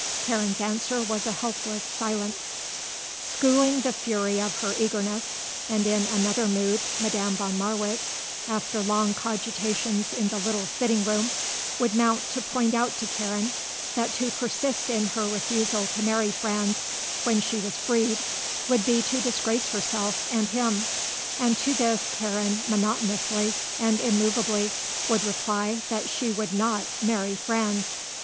Karen's answer was a helpless silence. Schooling the fury of her eagerness, and in another mood, Madame von Marwitz, after long cogitations in the little sitting room, would mount to point out to Karen that to persist in her refusal to marry Franz, when she was freed, would be to disgrace herself and him, and to this Karen monotonously and immovably would reply that she would not marry Franz.